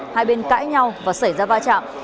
hai bên cãi nhau và xảy ra va chạm